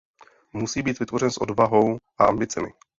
Musí být vytvořen s odvahou a ambicemi.